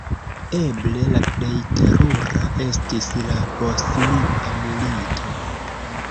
Eble la plej terura estis la Bosnia Milito.